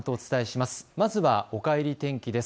まずはおかえり天気です。